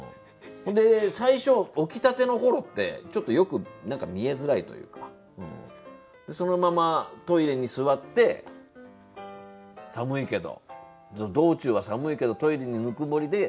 最初起きたての頃ってちょっとよく見えづらいというかそのままトイレに座って寒いけど道中は寒いけどトイレのぬくもりで。